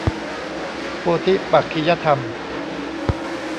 โพธิปักขิยธรรม